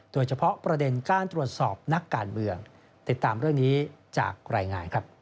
โดยเฉพาะประเด็นก้านตรวจสอบนักการเมือง